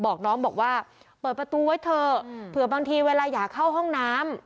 บอกน้องบอกว่าเปิดประตูไว้เถอะเผื่อบางทีเวลาอยากเข้าห้องน้ำ